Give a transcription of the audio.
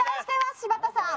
柴田さん。